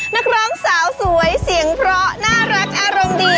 นักร้องสาวสวยเสียงเพราะน่ารักอารมณ์ดี